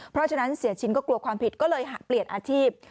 เพราะฉะนั้นเสียชินก็กลัวความผิดก็เลยเปลี่ยนอาชีพ